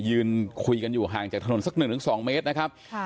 ยืนคุยกันอยู่ห่างจากถนนสัก๑๒เมตรนะครับ